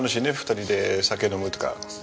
２人で酒飲むとか。